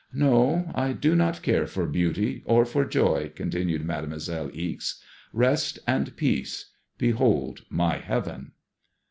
" No, I do not care for beauty or for joy," continued Mademoi selle Ixe. *' Rest and peace. Behold my heaven."